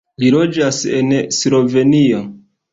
Li loĝas en Slovenio.